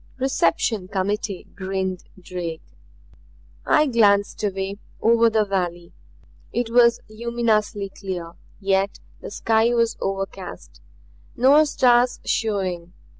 "Reception committee," grinned Drake. I glanced away; over the valley. It was luminously clear; yet the sky was overcast, no stars showing.